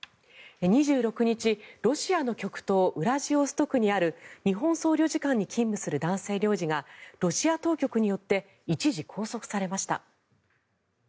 ２６日、ロシアの極東ウラジオストクにある日本総領事館に勤務する男性領事が、ロシア当局によって一時拘束されました。